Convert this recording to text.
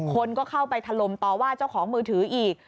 คนก็เข้าไปถล่มต่อว่าเจ้าของมือถืออีก